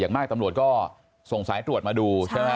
มากตำรวจก็ส่งสายตรวจมาดูใช่ไหม